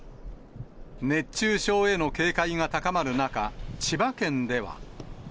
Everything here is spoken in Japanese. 熱中症への警戒が高まる中、千葉県では。